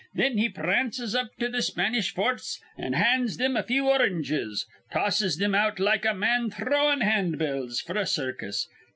Thin he prances up to th' Spanish forts, an' hands thim a few oranges. Tosses thim out like a man throwin' handbills f'r a circus.